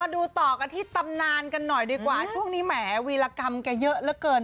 ดูต่อกันที่ตำนานกันหน่อยดีกว่าช่วงนี้แหมวีรกรรมแกเยอะเหลือเกิน